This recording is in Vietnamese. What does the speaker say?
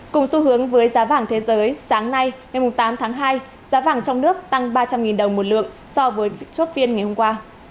cùng xu hướng với giá vàng thế giới sáng nay ngày tám tháng hai giá vàng trong nước tăng ba trăm linh đồng một lượng so với chốt phiên ngày hôm qua